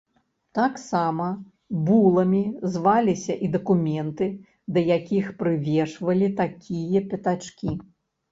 Таксама буламі назваліся і дакументы да якіх прывешвалі такія пячаткі.